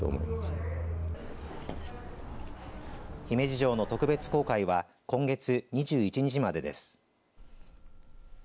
姫路城の特別公開は今月２１日までです。